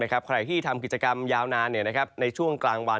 ใครที่ทำกิจกรรมยาวนานในช่วงกลางวัน